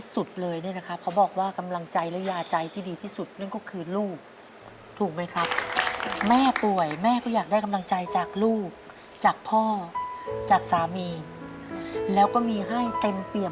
ซึ่งเป็นคำตอบที่